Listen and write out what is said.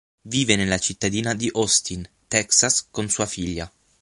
Vive nella cittadina di Austin, Texas con sua figlia.